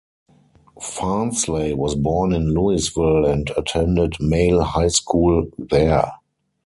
Farnsley was born in Louisville and attended Male High School there.